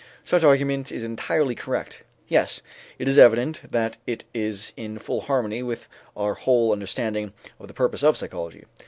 Such argument is entirely correct. Yes, it is evident that it is in full harmony with our whole understanding of the purpose of psychology.